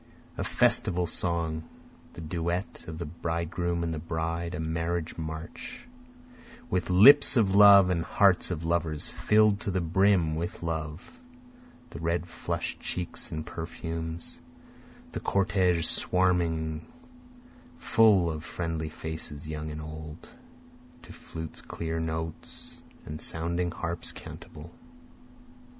A festival song, The duet of the bridegroom and the bride, a marriage march, With lips of love, and hearts of lovers fill'd to the brim with love, The red flush'd cheeks and perfumes, the cortege swarming full of friendly faces young and old, To flutes' clear notes and sounding harps' cantabile.